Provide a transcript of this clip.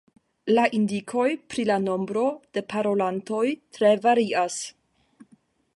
La indikoj pri la nombro de parolantoj tre varias.